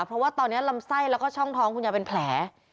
เพราะว่าตอนนี้ลำไส้แล้วก็ช่องท้องคุณยายเป็นแผล